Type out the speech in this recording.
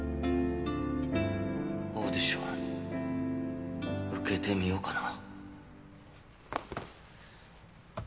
オーディション受けてみようかな。